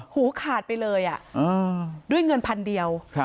หูขาดไปเลยด้วยเงินพันเดียว